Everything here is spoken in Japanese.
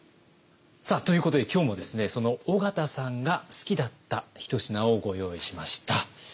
さあということで今日もですねその緒方さんが好きだったひと品をご用意しました。